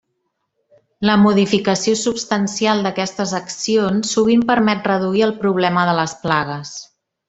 La modificació substancial d'aquestes accions sovint permet reduir el problema de les plagues.